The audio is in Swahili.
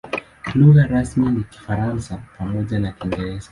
Lugha rasmi ni Kifaransa pamoja na Kiingereza.